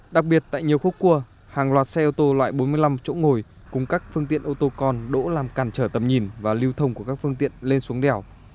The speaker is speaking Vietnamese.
đặc biệt tại nhiều khúc cua hàng loạt xe ô tô loại bốn mươi năm chỗ ngồi cùng các phương tiện ô tô con đỗ làm càn trở tầm nhìn và lưu thông của các phương tiện lên xuống đèo